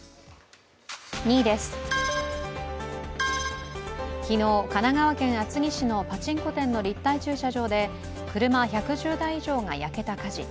２位です、昨日、神奈川県厚木市のパチンコ店の立体駐車場で車１１０台以上が焼けた火事。